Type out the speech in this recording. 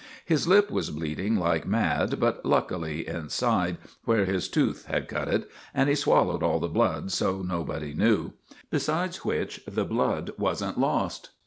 His lip was bleeding like mad, but luckily inside, where his tooth had cut it; and he swallowed all the blood, so nobody knew; besides which the blood wasn't lost.